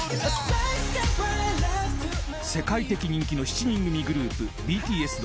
［世界的人気の７人組グループ］